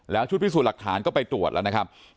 แล้วชุดพิสูจน์หลักฐานก็ไปตรวจแล้วนะครับ